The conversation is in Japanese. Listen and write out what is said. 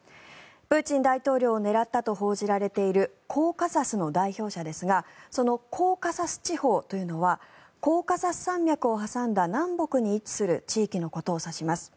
プーチン大統領を狙ったと報じられているコーカサスの代表者ですがそのコーカサス地方というのはコーカサス山脈を挟んだ南北に位置する地域のことを指します。